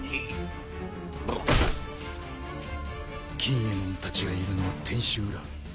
錦えもんたちがいるのは天守裏。